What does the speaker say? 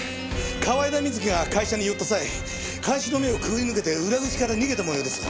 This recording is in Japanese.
河井田瑞希が会社に寄った際監視の目をくぐり抜けて裏口から逃げた模様です。